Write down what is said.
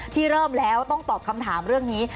ที่เริ่มแล้วต้องตอบคำถามเรื่องนี้